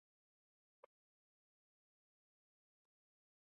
圣德基督学院是位于台湾桃园市中坜区的一所私立基督教学院。